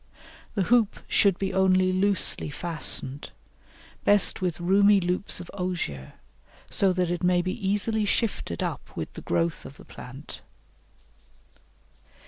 The hoop should be only loosely fastened best with roomy loops of osier, so that it may be easily shifted up with the growth of the plant.